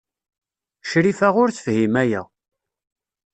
Crifa ur tefhim aya.